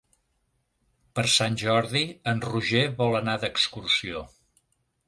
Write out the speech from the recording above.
Per Sant Jordi en Roger vol anar d'excursió.